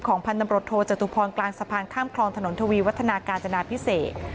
พันธุ์ตำรวจโทจตุพรกลางสะพานข้ามคลองถนนทวีวัฒนากาญจนาพิเศษ